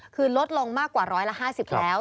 คือลดลงมากกว่าร้อยละ๕๐แล้ว